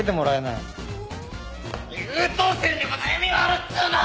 優等生にも悩みはあるっつうの！